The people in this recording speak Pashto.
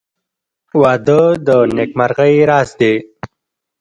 • واده د نېکمرغۍ راز دی.